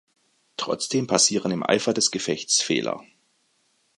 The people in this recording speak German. Trotzdem passieren im Eifer des Gefechts Fehler.